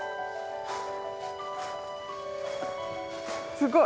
すごい。